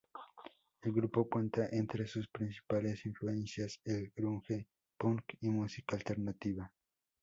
El grupo cuenta entre sus principales influencias el grunge, punk y música alternativa.